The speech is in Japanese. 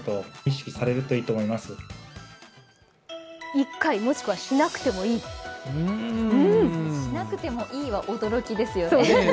１回もしくはしなくてもいいしなくてもいいは驚きですよね。